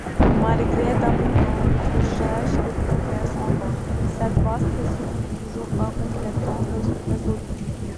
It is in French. Malgré d'abondantes recherches qui progressent encore, cette vaste question n'est toujours pas complètement résolue.